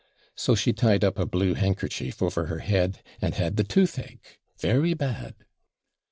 So she tied up a blue handkerchief over her head, and had the toothache, 'very bad.'